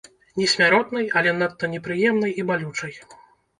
Не смяротнай, але надта непрыемнай і балючай.